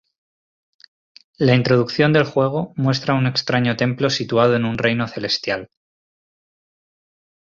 La introducción del juego muestra un extraño templo situado en un reino celestial.